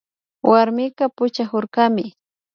Warmika puchakurkami